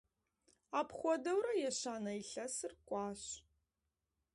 Апхуэдэурэ ещанэ илъэсыр кӀуащ.